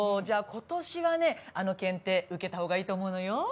じゃあ今年はねあの検定受けたほうがいいと思うのよ。